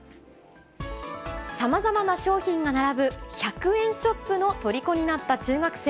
さまざまな商品が並ぶ１００円ショップのとりこになった中学生。